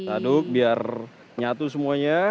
aduk biar menyatu semuanya